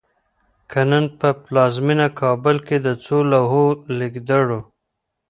که نن په پلازمېنه کابل کې د څو لوحو لیکدړو